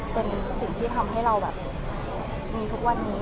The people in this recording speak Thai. เป็นสิ่งที่ทำให้เราแบบมีทุกวันนี้